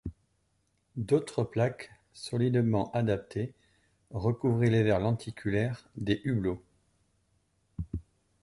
D’autres plaques, solidement adaptées, recouvraient les verres lenticulaires des hublots.